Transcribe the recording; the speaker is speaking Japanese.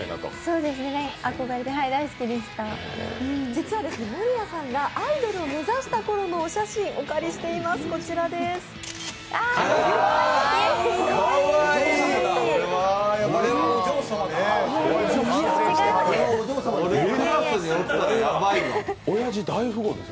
実は守屋さんがアイドルを目指した頃のお写真をお借りしております。